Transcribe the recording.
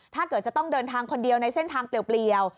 จะต้องเดินทางคนเดียวในเส้นทางเปลี่ยว